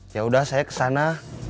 yaudah saya kesana